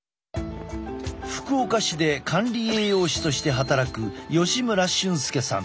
福岡市で管理栄養士として働く吉村俊亮さん。